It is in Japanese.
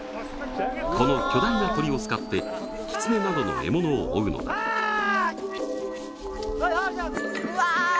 この巨大な鳥を使ってキツネなどの獲物を追うのだうわ